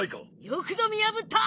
よくぞ見破った！